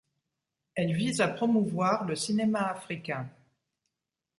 Elle vise à promouvoir le cinéma africain.